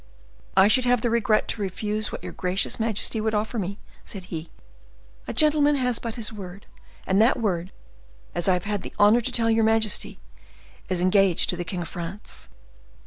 "I should have the regret to refuse what your gracious majesty would offer me," said he; "a gentleman has but his word, and that word, as I have had the honor to tell your majesty, is engaged to the king of France."